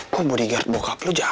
kok bodyguard bokap lu jago ya